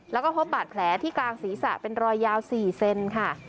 แล้วก็พบบาดแผลที่กลางศีรษะเป็นรอยยาว๔เซนค่ะ